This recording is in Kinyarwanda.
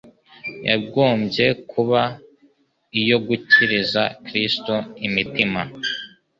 yagombye kuba iyo gukiriza Kristo imitima.